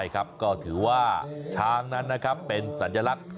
ก็ถือว่าช้างนั้นเป็นสัญลักษณ์